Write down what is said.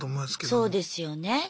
そうですよね。